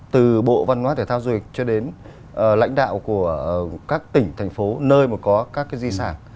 từ bộ văn hóa thể thao du lịch cho đến lãnh đạo của các tỉnh thành phố nơi mà có các cái di sản